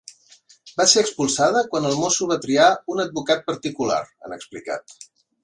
“Va ser expulsada quan el mosso va triar un advocat particular”, han explicat.